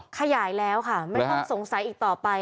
ขยายแล้วค่ะไม่ความทรงใสอีกต่อไป